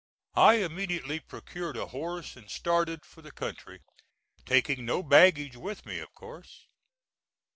I immediately procured a horse and started for the country, taking no baggage with me, of course.